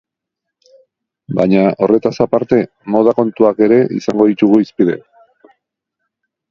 Baina horretaz aparte, moda kontuak ere izango ditugu hizpide.